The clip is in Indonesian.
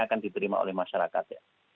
akan diterima oleh masyarakat